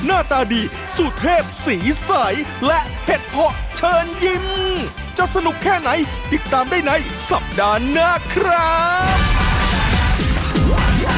ในสัปดาห์หน้าครับ